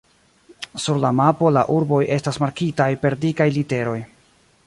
Sur la mapo la urboj estas markitaj per dikaj literoj.